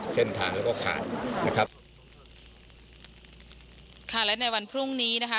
เส้นทางแล้วก็ขาดนะครับค่ะและในวันพรุ่งนี้นะคะ